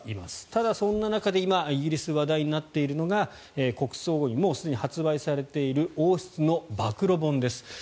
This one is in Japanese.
ただ、そんな中で今イギリスで話題になっているのが国葬後にもうすでに発売されている王室の暴露本です。